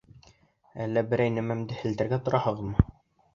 Әллә берәй нәмәмде һелтәргә тораһығыҙмы?